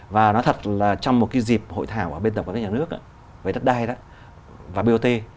và nói thật là trong một dịp hội thảo ở bên tổng các nhà nước về đất đai và bot